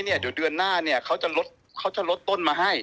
เดี๋ยวเดือนหน้าเขาจะลดต้นมาให้